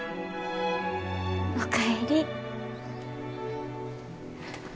お帰り。